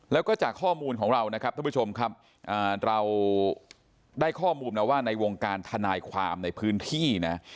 แล้วก็จากข้อมูลของเรานะครับท่านผู้ชมครับเราได้ข้อมูลนะว่าในวงการทนายความในพื้นที่นะ